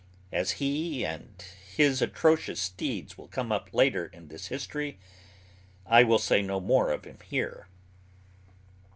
As he and his atrocious deeds will come up later in this history, I will say no more of him here.